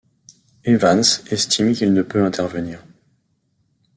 Evans estime qu'il ne peut intervenir.